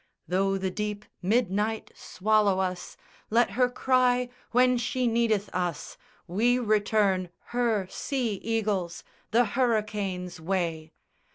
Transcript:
Tho' the deep midnight swallow us Let her cry when she needeth us, We return, her sea eagles, The hurricane's way.